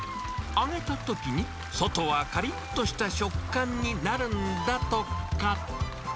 揚げたときに、外はかりっとした食感になるんだとか。